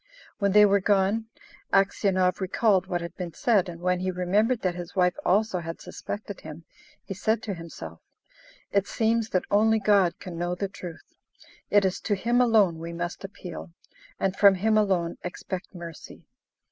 When they were gone, Aksionov recalled what had been said, and when he remembered that his wife also had suspected him, he said to himself, "It seems that only God can know the truth; it is to Him alone we must appeal, and from Him alone expect mercy."